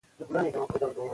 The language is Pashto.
پاکواله د ایمان برخه ده.